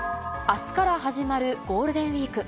あすから始まるゴールデンウィーク。